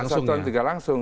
tidak satuan tiga langsung